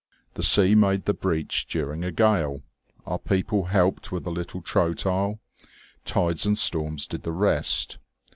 The sea made the breach during a gale, our people helped with a little Trotyl, tides and storms did the rest.